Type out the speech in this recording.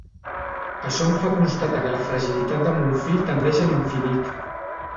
Això em fa constatar que la fragilitat de mon fill tendeix a l'infinit.